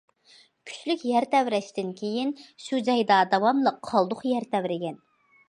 كۈچلۈك يەر تەۋرەشتىن كېيىن، شۇ جايدا داۋاملىق قالدۇق يەر تەۋرىگەن.